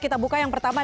kita buka yang pertama